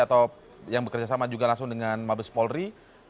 atau yang bekerjasama juga langsung dengan mabes polri